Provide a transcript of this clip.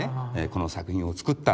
この作品を作ったんです。